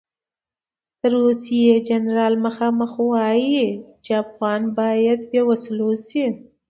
د روسیې جنرال مخامخ وایي چې افغانستان باید بې وسلو شي.